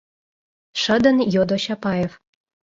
— шыдын йодо Чапаев.